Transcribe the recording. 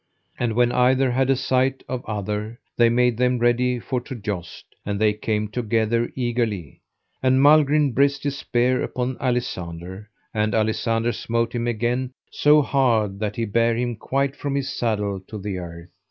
And when either had a sight of other, they made them ready for to joust, and they came together eagerly, and Malgrin brised his spear upon Alisander, and Alisander smote him again so hard that he bare him quite from his saddle to the earth.